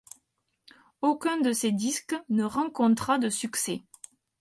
Aucun de ces disques ne rencontrera de succès.